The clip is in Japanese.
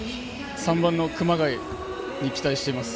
３番の熊谷に期待しています。